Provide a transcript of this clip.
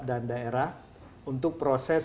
dan daerah untuk proses